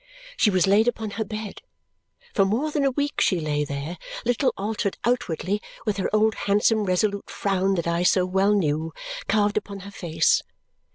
She was laid upon her bed. For more than a week she lay there, little altered outwardly, with her old handsome resolute frown that I so well knew carved upon her face.